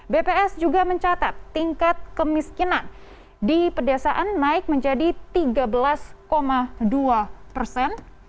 bps juga mencatat tingkat kemiskinan di pedesaan naik menjadi tiga belas dua persen